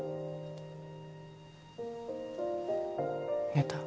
寝た？